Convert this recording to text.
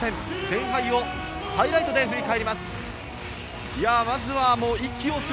前半をハイライトで振り返ります。